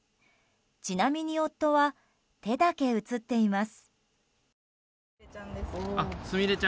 ちなみに夫は手だけ写っています。